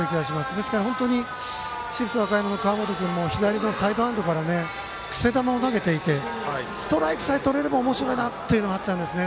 ですから、本当に市立和歌山の川本君の左のサイドハンドからくせ球を投げていてストライクさえとれればおもしろいなっていうのがあったんですね。